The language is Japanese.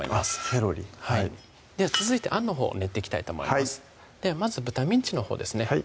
セロリはい続いてあんのほう練っていきたいと思いますではまず豚ミンチのほうですね